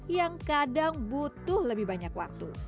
yang kadang butuh lebih banyak waktu